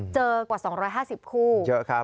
กว่า๒๕๐คู่เยอะครับ